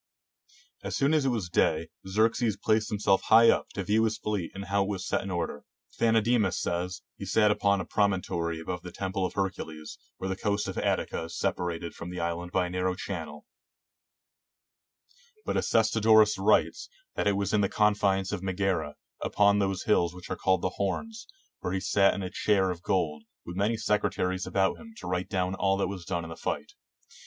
As soon as it was day, Xerxes placed himself high up, to view his fleet, and how it was set in order, Phano demus says, he sat upon a promontory above the temple of Hercules, where the coast of Attica is separated from the island by a narrow channel; but Acestodorus writes, 117 GREECE that it was in the confines of Megara, upon those hills which are called the Horns, where he sat in a chair of gold, with many secretaries about him to write down all that was done in the fight.